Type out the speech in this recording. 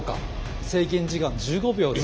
制限時間１５秒で。